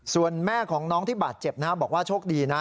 ส่วนแม่ของน้องที่บาดเจ็บบอกว่าโชคดีนะ